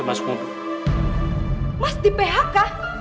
mas di phk